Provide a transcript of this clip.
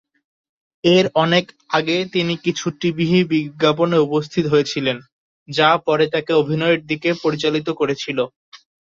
এর অনেক আগে তিনি কিছু টিভি বিজ্ঞাপনে উপস্থিত হয়েছিলেন, যা পরে তাকে অভিনয়ের দিকে পরিচালিত করেছিল।